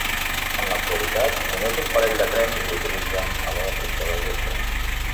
En l'actualitat, només un parell de trens l'utilitzen a l'hora punta del vespre.